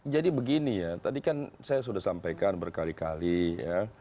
jadi begini ya tadi kan saya sudah sampaikan berkali kali ya